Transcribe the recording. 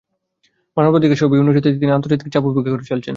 মানবাধিকারসহ বিভিন্ন ইস্যুতে তিনি আন্তর্জাতিক চাপ উপেক্ষা করে চলছেন।